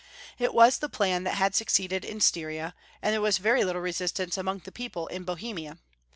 It was the plan that had succeeded in Styria, and there was very little resistance among the people in Bohemia.